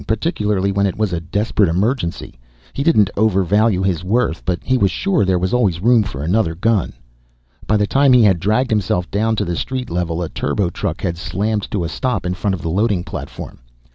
Particularly when it was a desperate emergency. He didn't overvalue his worth, but he was sure there was always room for another gun. By the time he had dragged himself down to the street level a turbo truck had slammed to a stop in front of the loading platform.